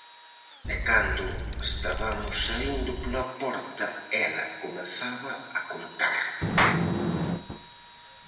E cando estabamos saíndo pola porta, ela comezaba a contar.